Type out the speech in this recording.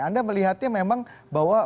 anda melihatnya memang bahwa